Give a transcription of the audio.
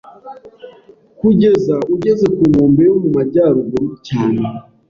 kugeza ugeze ku nkombe yo mu majyaruguru cyane